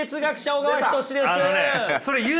小川仁志です！